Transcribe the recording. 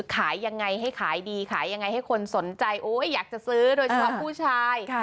ขายยังไงให้ขายดีขายยังไงให้คนสนใจอยากจะซื้อโดยเฉพาะผู้ชาย